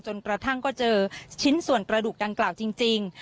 จนกระทั่งก็เจอชิ้นส่วนกระดูกดังกล่าวจริง